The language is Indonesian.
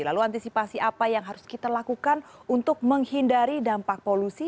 lalu antisipasi apa yang harus kita lakukan untuk menghindari dampak polusi